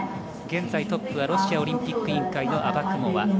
現在トップはロシアオリンピック委員会のアバクモワ。